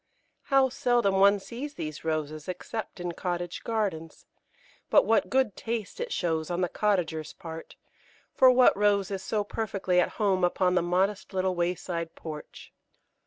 How seldom one sees these Roses except in cottage gardens; but what good taste it shows on the cottager's part, for what Rose is so perfectly at home upon the modest little wayside porch?